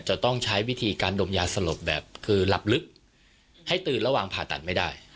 จะต้องใช้วิธีการดมยาสลบแบบคือหลับลึกให้ตื่นระหว่างผ่าตัดไม่ได้